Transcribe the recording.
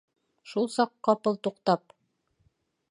Шул саҡ ҡапыл туҡтап: